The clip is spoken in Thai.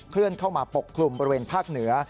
เลื่อนเข้ามาปกคลุมบริเวณภาคเหนือ